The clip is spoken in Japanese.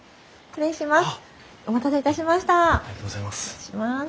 失礼します。